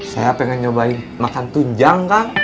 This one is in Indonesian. saya pengen nyobain makan tujang kang